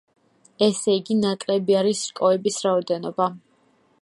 ესე იგი, ნაკლები არის რკოების რაოდენობა.